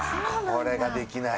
これができない。